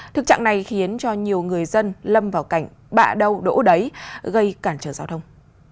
thực trạng này khiến cho nhiều người dân lâm vào cảnh bạ đâu đỗ đấy gây cản trở giao thông